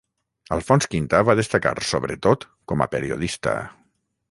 Alfons Quintà va destacar sobretot com a periodista.